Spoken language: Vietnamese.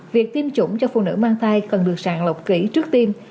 việc tiêm chủng cho phụ nữ mang thai cần được sàng lọc kỹ trước tiên